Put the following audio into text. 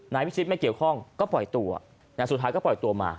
นายพิชิตไม่เกี่ยวข้องก็ปล่อยตัวสุดท้ายก็ปล่อยตัวมา